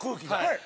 はい！